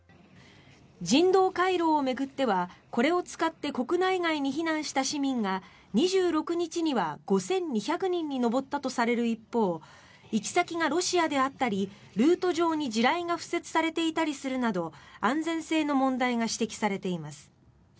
人道回廊を巡ってはこれを使って国内外に避難した市民が２６日には５２００人に上ったとされる一方行き先がロシアであったりルート上に地雷が敷設されたりしているなど安全性の問題が指摘されています。